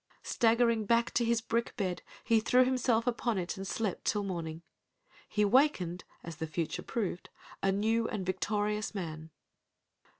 Staggering back to his brick bed he threw himself upon it and slept till morning. He wakened, as the future proved, a new and victorious man.